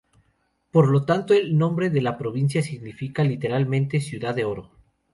Por lo tanto el nombre de la provincia significa literalmente "Ciudad de Oro".